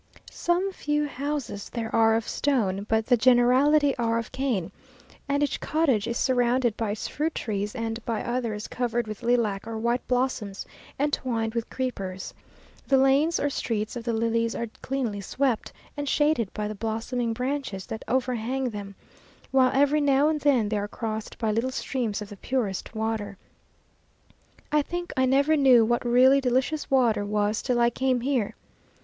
Some few houses there are of stone, but the generality are of cane, and each cottage is surrounded by its fruit trees, and by others covered with lilac or white blossoms, and twined with creepers. The lanes or streets of the village are cleanly swept, and shaded by the blossoming branches that overhang them; while every now and then they are crossed by little streams of the purest water. I think I never knew what really delicious water was till I came here.